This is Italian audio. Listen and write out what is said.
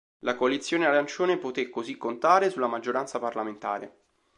La "coalizione Arancione" poté, così, contare sulla maggioranza parlamentare.